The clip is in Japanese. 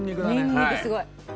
ニンニクすごい。